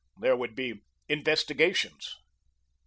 There would be investigations.